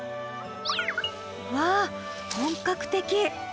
わあ本格的！